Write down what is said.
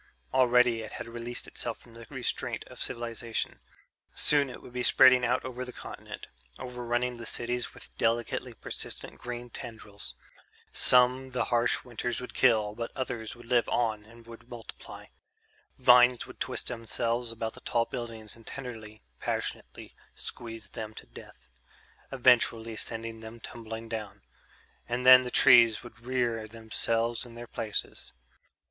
Already it had released itself from the restraint of cultivation; soon it would be spreading out over the continent, overrunning the cities with delicately persistent green tendrils. Some the harsh winters would kill, but others would live on and would multiply. Vines would twist themselves about the tall buildings and tenderly, passionately squeeze them to death ... eventually send them tumbling down. And then the trees would rear themselves in their places.